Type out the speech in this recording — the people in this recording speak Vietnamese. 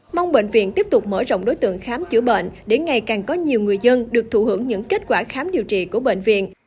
mong bệnh viện tiếp tục mở rộng đối tượng khám chữa bệnh để ngày càng có nhiều người dân được thụ hưởng những kết quả khám điều trị của bệnh viện